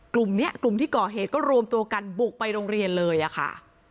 กลุ่มนี้กลุ่มที่ก่อเหตุก็รวมตัวกันบุกไปโรงเรียนเลยอะค่ะ